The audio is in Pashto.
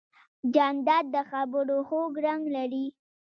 جانداد د خبرو خوږ رنګ لري.